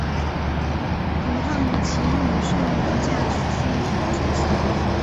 彭抗以其女胜娘嫁许逊之子。